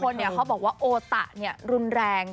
คือบางคนเขาบอกว่าโอตะนี้รุนแรง